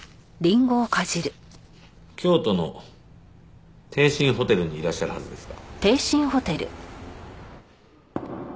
京都の帝進ホテルにいらっしゃるはずですが。